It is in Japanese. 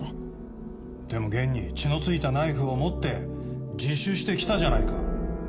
でも現に血の付いたナイフを持って自首してきたじゃないか。